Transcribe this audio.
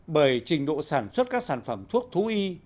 bởi trình độ sản xuất các sản phẩm thuốc thú y